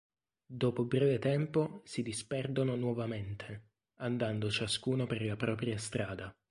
Dopo breve tempo si disperdono nuovamente, andando ciascuno per la propria strada.